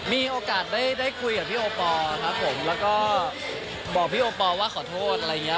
มีโอกาสได้คุยกับพี่โอปอล์ครับผมแล้วก็บอกพี่โอปอลว่าขอโทษอะไรอย่างเงี้